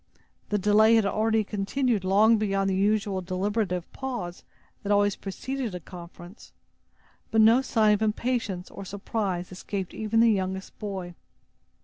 The delay had already continued long beyond the usual deliberative pause that always preceded a conference; but no sign of impatience or surprise escaped even the youngest boy.